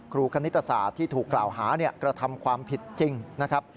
คณิตศาสตร์ที่ถูกกล่าวหากระทำความผิดจริงนะครับ